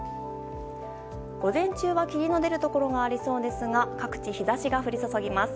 午前中は霧の出るところがありそうですが各地日差しが降り注ぎます。